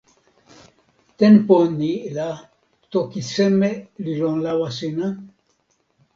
tenpo ni la toki seme li lon lawa sina?